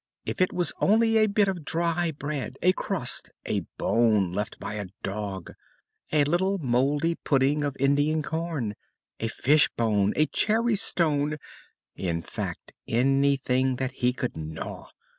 If it was only a bit of dry bread, a crust, a bone left by a dog, a little moldy pudding of Indian corn, a fish bone, a cherry stone in fact, anything that he could gnaw.